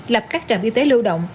lập các trạm y tế lưu động